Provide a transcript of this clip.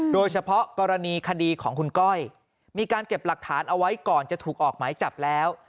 โดยเฉพาะกรณีคดีของคุณก้อยมีการเก็บหลักฐานเอาไว้ก่อนจะถูกออกหมายจับแล้ว